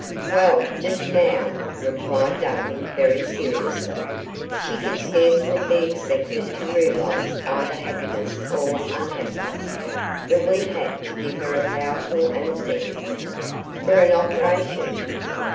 "Well, just now," replied Duncan very seriously, "she can scarcely be expected to realize either happiness or unhappiness, for we had to give her a powerful anesthetic." "For an operation?"